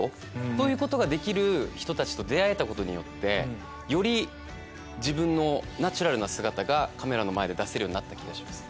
そういうことができる人たちと出会えたことによってより自分のナチュラルな姿がカメラの前で出せるようになった気がします。